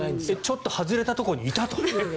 ちょっと外れたところにいたと。